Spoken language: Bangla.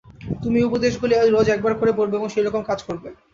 তুমি এই উপদেশগুলি রোজ একবার করে পড়বে এবং সেই রকম কাজ করবে।